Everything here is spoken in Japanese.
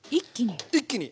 一気に。